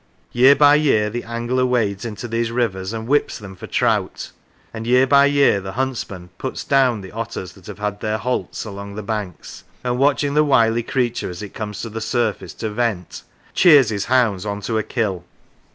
Year by year the angler wades into these rivers and whips them for trout; and year by year the huntsman " puts down " the otters that have their " holts " along their banks, and watching the wily creature as it comes to the surface to "vent," cheers his 122 The Rivers hounds on to a " kill."